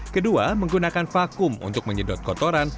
kedua menggunakan vakum untuk menyedot kotoran